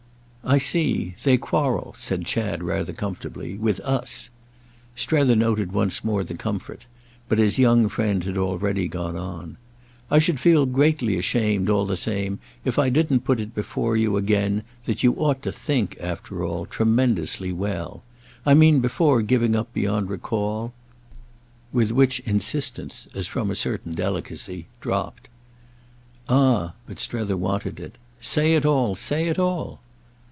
"I see. They quarrel," said Chad rather comfortably, "with us." Strether noted once more the comfort, but his young friend had already gone on. "I should feel greatly ashamed, all the same, if I didn't put it before you again that you ought to think, after all, tremendously well. I mean before giving up beyond recall—" With which insistence, as from a certain delicacy, dropped. Ah but Strether wanted it. "Say it all, say it all."